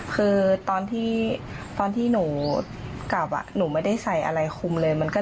คือตอนที่ตอนที่หนูกลับอ่ะหนูไม่ได้ใส่อะไรคุมเลยมันก็